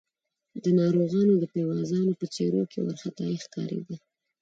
د ناروغانو د پيوازانو په څېرو کې وارخطايي ښکارېده.